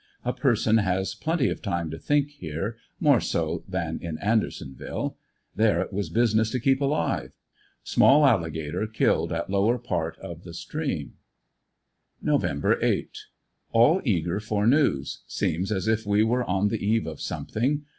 A person has plenty ANDER80NVILLE DIARY. 113 of time to think here, more so than in Andersonville; there it was business to keep alive. Small alligator killed at lower part of the stream. Nov 8 — All eager for news. Seems as if we were on the eve of something.